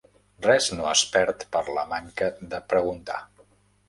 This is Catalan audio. Res no es perd per la manca de preguntar